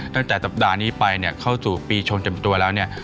ตั้งแต่สัปดาห์นี้ไปเนี่ยเข้าสู่ปีชงเต็มตัวแล้วเนี่ย